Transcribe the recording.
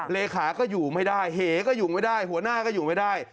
เลขาก็อยู่ไม่ได้เหก็อยู่ไม่ได้หัวหน้าก็อยู่ไม่ได้